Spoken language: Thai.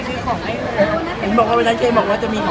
ช่องความหล่อของพี่ต้องการอันนี้นะครับ